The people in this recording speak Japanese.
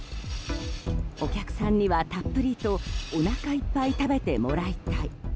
お客さんにはたっぷりと、おなかいっぱい食べてもらいたい。